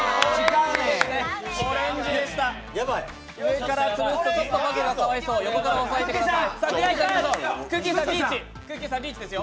上から押すとパグがかわいそう横から押さえてください。